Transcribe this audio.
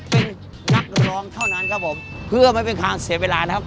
เป็นนักร้องเท่านั้นครับผมเพื่อไม่เป็นทางเสียเวลานะครับ